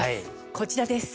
こちらです。